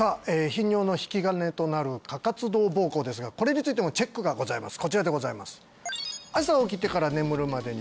頻尿の引き金となる過活動膀胱ですがこれについてもチェックがございます